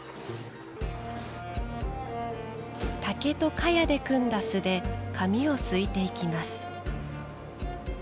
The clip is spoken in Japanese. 竹と、かやで組んだ簀で紙をすいていきます。